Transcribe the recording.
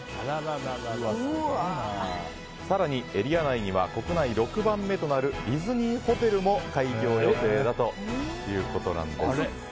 更にエリア内には国内６番目となるディズニーホテルも開業予定だということなんです。